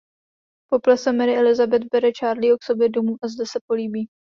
Po plese Mary Elizabeth bere Charlieho k sobě domů a zde se políbí.